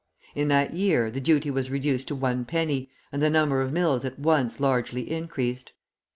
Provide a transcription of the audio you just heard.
In that year the duty was reduced to one penny, and the number of mills at once largely increased.